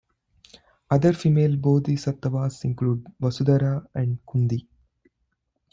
Other female Bodhisattvas include Vasudhara and Cundi.